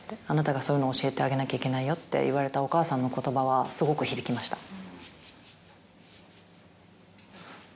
あなたがそういうのを教えてあげなきゃいけないよ」って言われたお母さんの言葉はすごく響きました。